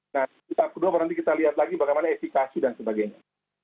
nah di tahap kedua nanti kita lihat lagi bagaimana efikasi dan sebagainya